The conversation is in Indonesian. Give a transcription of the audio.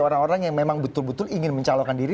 orang orang yang memang betul betul ingin mencalonkan diri